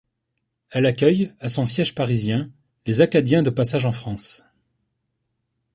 Elle accueille, à son siège parisien, les Acadiens de passage en France.